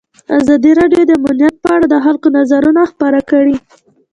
ازادي راډیو د امنیت په اړه د خلکو نظرونه خپاره کړي.